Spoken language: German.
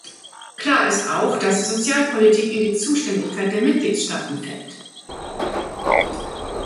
Klar ist auch, dass Sozialpolitik in die Zuständigkeit der Mitgliedstaaten fällt.